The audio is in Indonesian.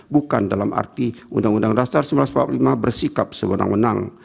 bukan dalam arti undang undang dasar seribu sembilan ratus empat puluh lima bersikap sewenang wenang